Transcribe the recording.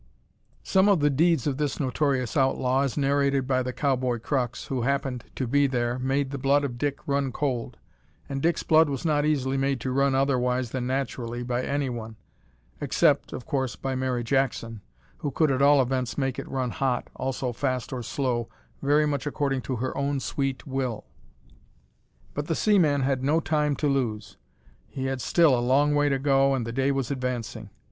Some of the deeds of this notorious outlaw, as narrated by the cow boy Crux, who happened to be there, made the blood of Dick run cold and Dick's blood was not easily made to run otherwise than naturally by any one except, of course, by Mary Jackson, who could at all events make it run hot, also fast or slow, very much according to her own sweet will! But the seaman had no time to lose. He had still a long way to go, and the day was advancing.